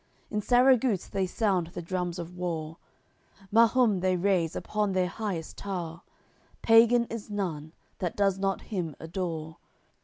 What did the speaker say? In Sarraguce they sound the drums of war; Mahum they raise upon their highest tow'r, Pagan is none, that does not him adore.